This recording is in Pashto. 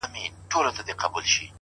دې وطن کاڼي – گیا ته په ضرر نه یم’ خو’